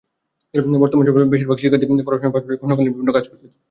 বর্তমান সময়ে বেশির ভাগ শিক্ষার্থীই পড়াশোনার পাশাপাশি খণ্ডকালীন বিভিন্ন কাজ করতে চান।